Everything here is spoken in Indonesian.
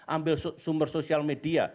ambil sumber sosial media